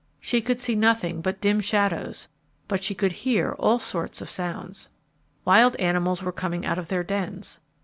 She could see nothing but dim shadows, but she could hear all sorts of sounds. Wild animals were coming out of their dens.